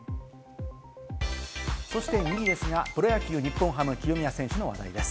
そして２位ですが、プロ野球、日本ハム・清宮選手の話題です。